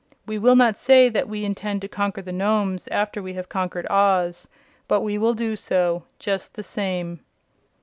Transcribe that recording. We will not say that we intend to conquer the Nomes after we have conquered Oz, but we will do so, just the same."